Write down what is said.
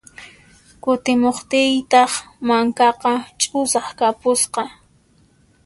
Kutimuqtiytaq mankaqa ch'usaq kapusqa.